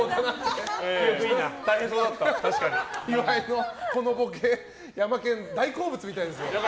岩井のこのボケヤマケン、大好物みたいです。